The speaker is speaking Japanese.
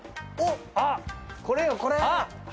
あっこれよこれ！